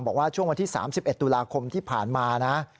บอกว่าช่วงวันที่๓๑ตุลาคมที่ผ่านมานะ